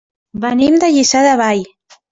Venim de Lliçà de Vall.